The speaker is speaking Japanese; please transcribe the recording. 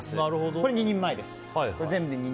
これで２人前です。